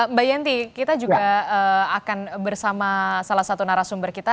mbak yenti kita juga akan bersama salah satu narasumber kita